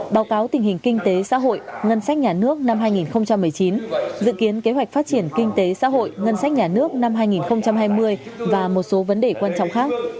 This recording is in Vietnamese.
báo cáo tình hình kinh tế xã hội ngân sách nhà nước năm hai nghìn một mươi chín dự kiến kế hoạch phát triển kinh tế xã hội ngân sách nhà nước năm hai nghìn hai mươi và một số vấn đề quan trọng khác